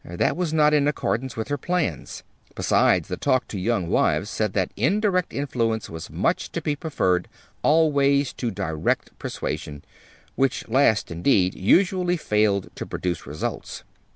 That was not in accordance with her plans. Besides, the "Talk to Young Wives" said that indirect influence was much to be preferred, always, to direct persuasion which last, indeed, usually failed to produce results.